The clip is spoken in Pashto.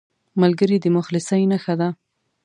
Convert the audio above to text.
ملګری د مخلصۍ نښه ده